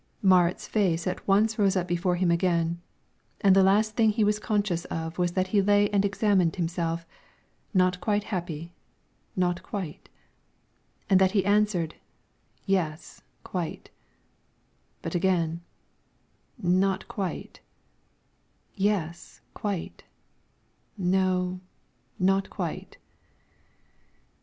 Marit's face at once rose up before him again, and the last thing he was conscious of was that he lay and examined himself: not quite happy, not quite, and that he answered: yes, quite; but again: not quite; yes, quite; no, not quite.